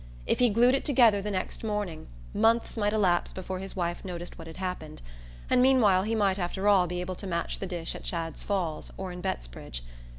If he glued it together the next morning months might elapse before his wife noticed what had happened, and meanwhile he might after all be able to match the dish at Shadd's Falls or Bettsbridge.